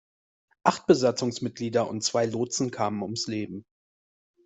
Acht Besatzungsmitglieder und zwei Lotsen kamen ums Leben.